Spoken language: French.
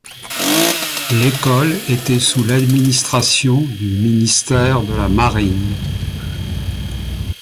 L'école était sous l'administration du ministère de la Marine.